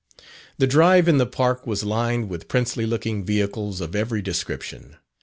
The drive in the Park was lined with princely looking vehicles of every description.